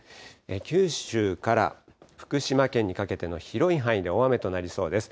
九州から福島県にかけての広い範囲で大雨となりそうです。